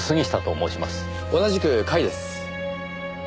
同じく甲斐です。